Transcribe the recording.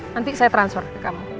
nanti saya transfer ke kamu